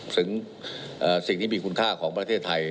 สิ่งที่มีคุณค่าของประเทศไทย